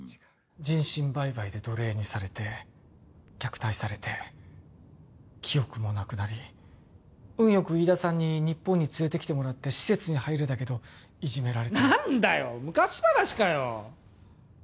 人身売買で奴隷にされて、虐待されて記憶がなくなり、お運良く日本に連れてきてもらい、施設に入るんだけど何だよ、昔話かよ！